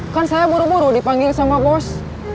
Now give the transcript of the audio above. kan saya buru buru dipanggil sama bos